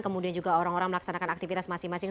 kemudian juga orang orang melaksanakan aktivitas masing masing